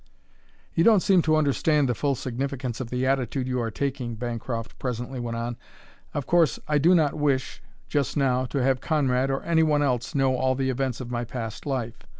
"You don't seem to understand the full significance of the attitude you are taking," Bancroft presently went on. "Of course, I do not wish, just now, to have Conrad, or any one else, know all the events of my past life.